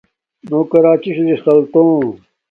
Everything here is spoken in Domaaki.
نو کراچی شُو دِݽقل توم۔